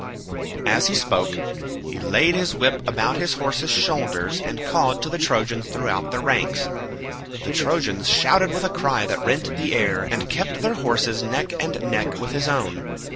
As he spoke he laid his whip about his horses' shoulders and called to the Trojans throughout their ranks; the Trojans shouted with a cry that rent the air, and kept their horses neck and neck with his own.